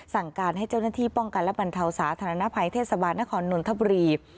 สั่งการให้เจ้าหน้าที่ป้องกันและบรรเทาสาธารณภัยเทศบาลนครนนทบุรี